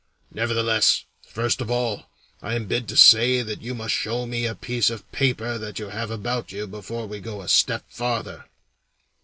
Nevertheless, first of all, I am bid to say that you must show me a piece of paper that you have about you before we go a step farther."